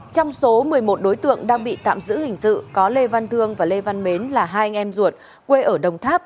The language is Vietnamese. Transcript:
trong số một mươi một đối tượng đang bị tạm giữ hình sự có lê văn thương và lê văn mến là hai anh em ruột quê ở đồng tháp